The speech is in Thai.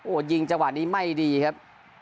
โอ้โหยิงจังหวะนี้ไม่ดีครับ